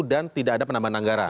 dan tidak ada penambahan anggaran